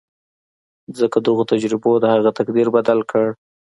ځکه دغو تجربو د هغه تقدير بدل کړ.